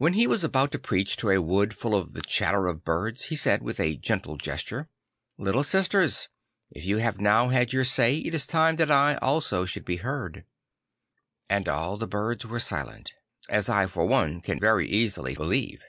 \Vhen he was about to preach in a wood full of the chatter of birds, he said, with a gentle gesture II Little sisters, if you have no\v had your say, it is time that I also should be heard." And all the birds were silent; as I for one can very easily believe.